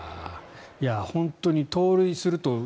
本当に盗塁すると。